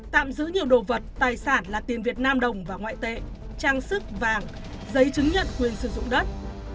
tạm giữ nhiều đồ vật tài sản là tiền việt nam đồng và ngoại tệ trang sức vàng giấy chứng nhận quyền sử dụng đất